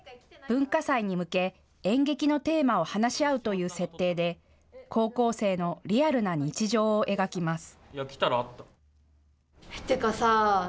文化祭に向け演劇のテーマを話し合うという設定で高校生のリアルな日常を描きます。